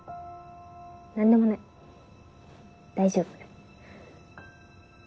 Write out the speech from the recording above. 何でもない大丈夫。